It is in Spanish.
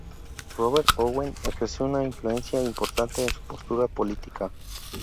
Robert Owen ejerció una influencia importante en su postura política.